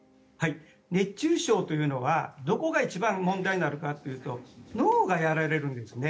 熱中症というのはどこが一番問題になるかというと脳がやられるんですね。